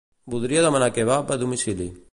Voldria demanar kebab a domicili.